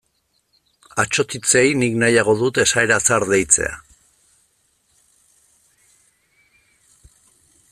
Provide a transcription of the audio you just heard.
Atsotitzei nik nahiago dut esaera zahar deitzea.